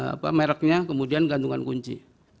apa mereknya kemudian gantungan kunci